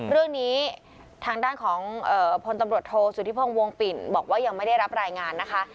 เรื่องนี้ทางด้านของพลตำรวจโทษสุธิพงศ์วงปิ่นบอกว่ายังไม่ได้รับรายงานนะคะ